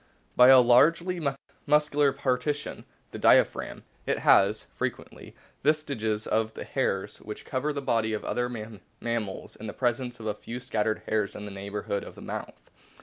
by a largely muscular partition the diaphragm. It has (frequently) vestiges of the hairs which cover the bodies of other mammals in the presence of a few scattered hairs in the neigh bourhood of the mouth.